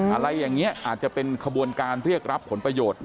อะไรอย่างนี้อาจจะเป็นขบวนการเรียกรับผลประโยชน์